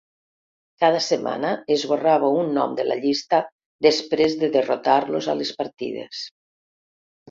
Cada setmana, esborrava un nom de la llista després de derrotar-los a les partides.